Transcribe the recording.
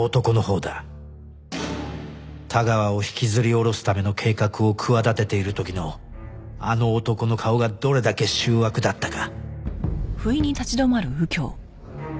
田川を引きずり下ろすための計画を企てている時のあの男の顔がどれだけ醜悪だったか